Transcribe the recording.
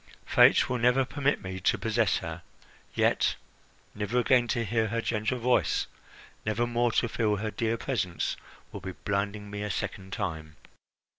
Fate will never permit me to possess her; yet never again to hear her gentle voice, never more to feel her dear presence, would be blinding me a second time."